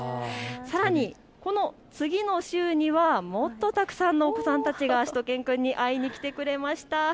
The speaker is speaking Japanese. さらに、この次の週にはもっとたくさんのお子さんたちがしゅと犬くんに会いに来てくれました。